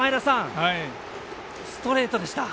ストレートでした。